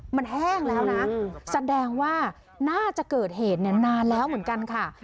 มันแห้งแล้วนะแสดงว่าน่าจะเกิดเหตุเนี่ยนานแล้วเหมือนกันค่ะ